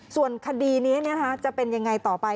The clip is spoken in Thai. ส่วนคดีนี้จะเป็นยังไงต่อไป